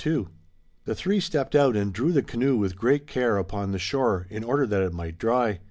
The three stepped out and drew the canoe with great care upon the shore, in order that it might dry.